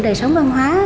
đời sống văn hóa